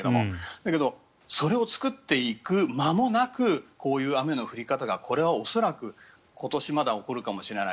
だけどそれを作っていく間もなくこういう雨の降り方がこれは恐らく今年も起こるかもしれない。